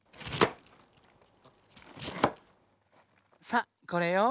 さあこれよ。